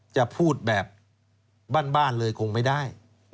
จะพูดแบบบ้านเลยคงไม่ได้